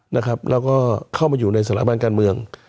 นะครับแล้วก็เข้ามาอยู่ในสถานบ้านการเมือง